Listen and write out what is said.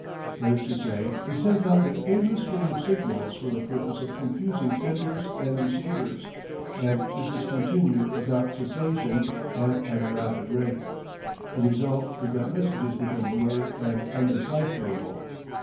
That is to say, he sends out an aimless string of signals for the purpose of confusing senders and receivers, and this is continued without cessation and at a rapid rate. The result is that messages become blurred and undecipherable.